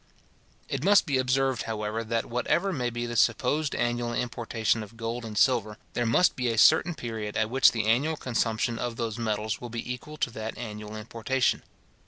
It must be observed, however, that whatever may be the supposed annual importation of gold and silver, there must be a certain period at which the annual consumption of those metals will be equal to that annual importation.